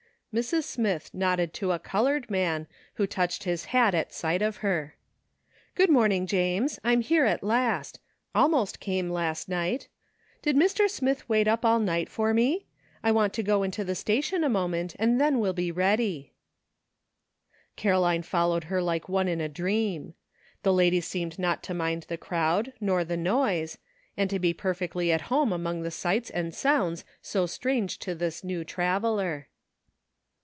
Mrs. Smith nodded to a colored man, who touched his hat at sight of her. A NEW FRIEND. 79 "Good morning, James, I'm here at last; almost came last night. Did Mr. Smith wait up all night for me? I want to go into the station a moment, and then will be ready." Caroline followed her like one in a dream. The lady seemed not to mind the crowd nor the noise, and to be perfectly at home among the sights and sounds so strange to this new traveler.